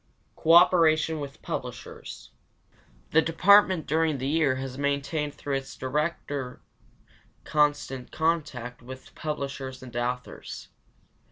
Cooperation with publishers. The department during the year has maintained through its director constant contact with publishers and authors.